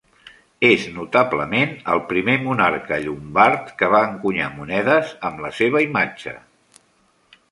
És notablement el primer monarca llombard que va encunyar monedes a la seva imatge.